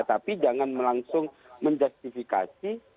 tapi jangan melangsung menjustifikasi